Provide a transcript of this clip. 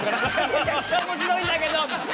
めちゃくちゃ面白いんだけど！」。